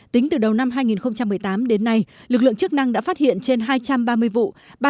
tính từ đầu năm hai nghìn một mươi tám đến nay lực lượng chức năng đã phát hiện trên hai trăm ba mươi vụ